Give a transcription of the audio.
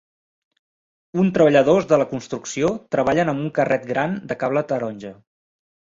Un treballadors de la construcció treballen amb un carret gran de cable taronja.